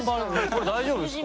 これ大丈夫ですか？